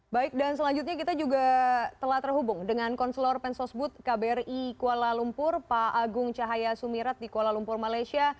baik dan selanjutnya kita juga telah terhubung dengan konselor pensosbud kbri kuala lumpur pak agung cahaya sumirat di kuala lumpur malaysia